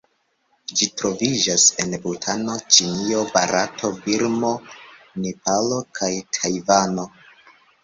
Ĝi troviĝas en Butano, Ĉinio, Barato, Birmo, Nepalo kaj Tajvano.